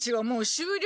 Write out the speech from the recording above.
終了？